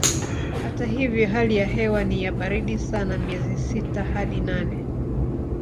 Hata hivyo hali ya hewa ni ya baridi sana miezi ya sita hadi nane.